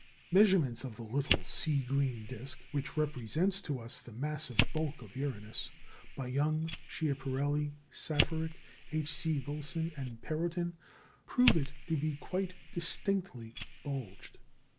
Measurements of the little sea green disc which represents to us the massive bulk of Uranus, by Young, Schiaparelli, Safarik, H. C. Wilson and Perrotin, prove it to be quite distinctly bulged.